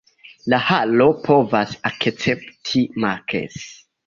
La halo povas akcepti maks.